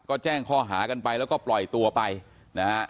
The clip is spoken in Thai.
ก็แจ้งข้อหากันไปแล้วก็ปล่อยตัวไปนะฮะ